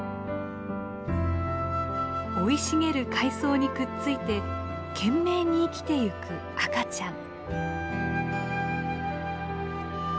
生い茂る海藻にくっついて懸命に生きてゆく赤ちゃん。